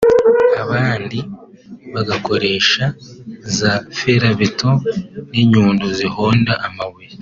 abandi bagakoresha za ferabeto n’inyundo zihonda amabuye